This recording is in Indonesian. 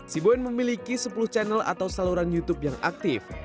si boen memiliki sepuluh channel atau saluran youtube yang aktif